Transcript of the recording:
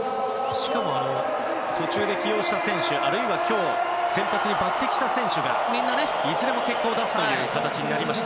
しかも途中で起用した選手あるいは今日、先発に抜擢した選手がいずれも結果を出す形になりました。